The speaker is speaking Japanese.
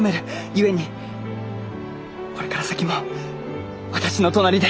ゆえにこれから先も私の隣で。